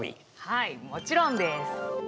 はいもちろんです。